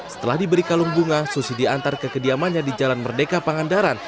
setelah diberi kalung bunga susi diantar ke kediamannya di jalan merdeka pangandaran